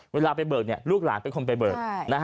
เวลาไปเบิกลูกหลานเป็นคนไปเบิก